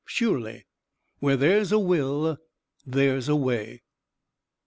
Surely, "Where there's a will there's a way."